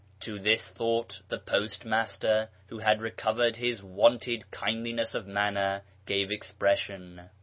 To this thought the post master, who had recovered his wonted kindliness of manner, gave expression.